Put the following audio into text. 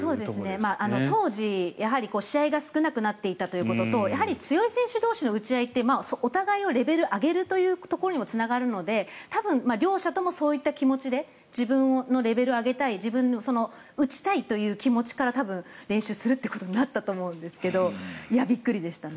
当時、試合が少なくなっていたということとやはり強い選手同士の打ち合いってお互いのレベルを上げるというところにもつながるので多分、両者ともそういった気持ちで自分のレベルを上げたい自分の打ちたいという気持ちから練習するということになったと思うんですけどびっくりでしたね。